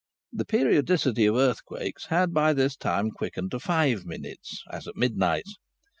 The periodicity of earthquakes had by this time quickened to five minutes, as at midnight.